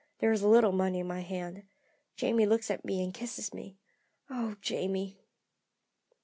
There is a little money in hand. Jamie looks at me and kisses me. Oh, Jamie!"